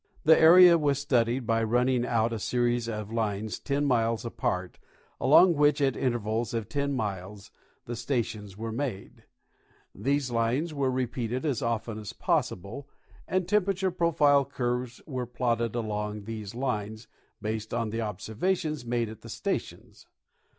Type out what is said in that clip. The area was studied by running out a series of lines 10 miles apart, along which at intervals of 10 miles the stations were made These lines were repeated as often as possible, and temperature profile curves were plotted along these lines, based on the observa tions made at the stations.